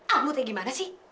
ambu gimana sih